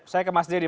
saya ke mas deddy